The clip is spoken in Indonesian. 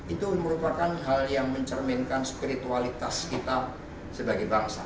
itu merupakan hal yang mencerminkan spiritualitas kita sebagai bangsa